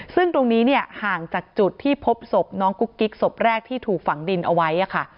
ซึ่งตรงนี้เนี่ยห่างจากจุดที่พบศพน้องกุ๊กกิ๊กศพแรกที่ถูกฝังดินเอาไว้ค่ะ